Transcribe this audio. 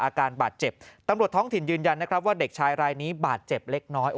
อาการบาดเจ็บตำรวจท้องถิ่นยืนยันนะครับว่าเด็กชายรายนี้บาดเจ็บเล็กน้อย